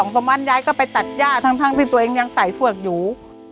ประมาณยายก็ไปตัดย่าทั้งที่ตัวเองยังใส่พวกอยู่